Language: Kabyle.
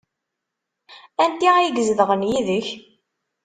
Anti ay izedɣen yid-k?